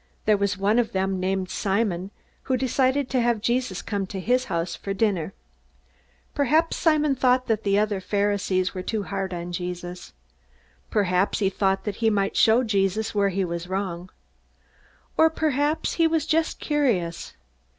There was one of them, named Simon, who decided to have Jesus come to his house for dinner. Perhaps Simon thought that the other Pharisees were too hard on Jesus. Perhaps he thought that he might show Jesus where he was wrong. Or perhaps he was just curious.